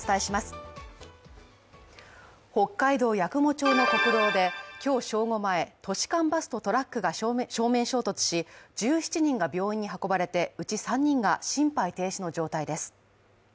北海道八雲町の国道で今日正午前、都市間バスとトラックが正面衝突し、１７人が病院に運ばれてうち３人が心肺停止の状態です。